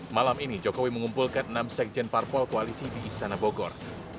malam ini jokowi mengumpulkan enam sekjen parpol koalisi di istana bogor